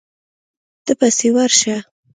ته پسې ورشه.